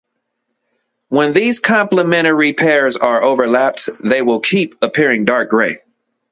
When these complementary pairs are overlapped, they will appear dark gray.